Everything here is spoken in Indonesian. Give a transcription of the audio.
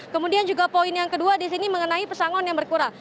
kemudian juga poin yang kedua di sini mengenai pesangon yang berkurang